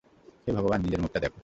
হে ভগবান, নিজের মুখটা দেখ!